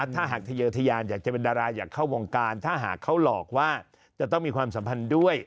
ถ้าหากทะเยอะทะยานอยากจะเป็นดาราอยากเข้าวงการถ้าหากเขาหลอกว่าจะต้องมีความสัมพันธ์ด้วย